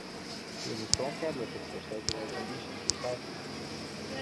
He is a strong advocate for safer road conditions for cyclists.